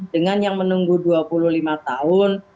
dengan yang menunggu dua puluh lima tahun